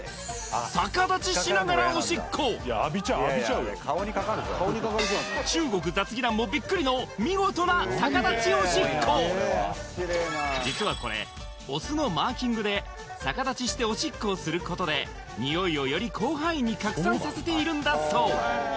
逆立ちしながらおしっこ見事な逆立ちおしっこ実はこれオスのマーキングで逆立ちしておしっこをすることでニオイをより広範囲に拡散させているんだそう